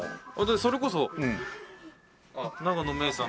それこそ永野芽郁さんの。